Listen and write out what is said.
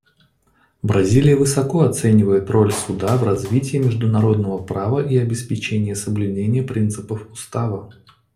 Бразилия высоко оценивает роль Суда в развитии международного права и обеспечении соблюдения принципов Устава.